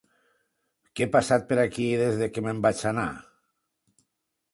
Què passat per aquí des que me'n vaig anar?